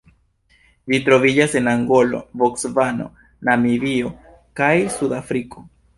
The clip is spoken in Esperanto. Ĝi troviĝas en Angolo, Bocvano, Namibio kaj Sudafriko.